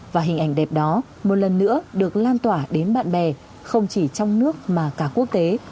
và hình ảnh đẹp đó một lần nữa được lan tỏa đến bạn bè không chỉ trong nước mà cả quốc tế